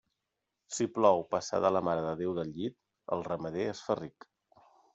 Si plou passada la Mare de Déu del llit, el ramader es fa ric.